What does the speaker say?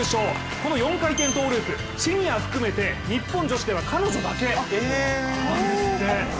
この４回転トゥループシニア含めて彼女だけなんですって。